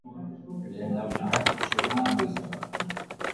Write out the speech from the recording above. Lehen laurdena oso berdindua izan da.